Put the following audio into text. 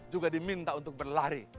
juga diminta untuk berlari